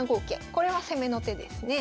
これは攻めの手ですね。